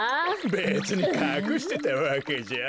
べつにかくしてたわけじゃ。